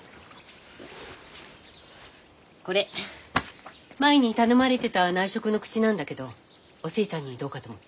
これ前に頼まれてた内職の口なんだけどお寿恵ちゃんにどうかと思って。